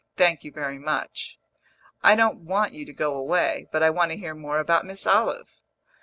Thank you very much!" "I don't want you to go away; but I want to hear more about Miss Olive."